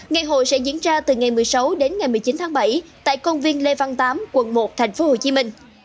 ngày hội sẽ diễn ra từ ngày một mươi sáu đến ngày một mươi chín tháng bảy tại công viên lê văn tám quận một tp hcm